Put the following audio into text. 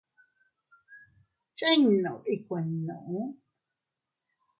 ¿Chinnud ikuinnu?